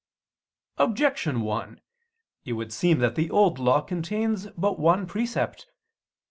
Objection 1: It would seem that the Old Law contains but one precept.